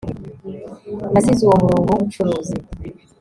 Nasize uwo murongo wubucuruzi